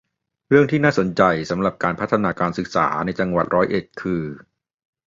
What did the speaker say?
เรื่องที่น่าสนใจสำหรับการพัฒนาการศึกษาในจังหวัดร้อยเอ็ดคือ